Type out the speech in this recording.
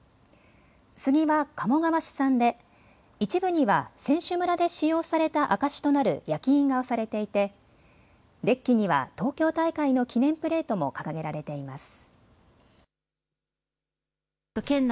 スギは鴨川市産で一部には選手村で使用された証しとなる焼き印が押されていてデッキには東京大会の記念プレートも掲げられています。